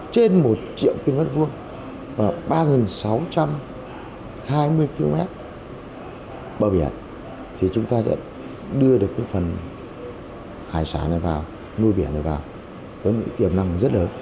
trên một triệu km hai và ba sáu trăm hai mươi km bờ biển thì chúng ta sẽ đưa được cái phần hải sản này vào nuôi biển này vào với một tiềm năng rất lớn